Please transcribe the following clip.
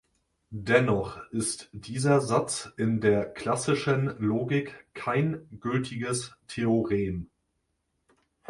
Dennoch ist dieser Satz in der klassischen Logik kein gültiges Theorem.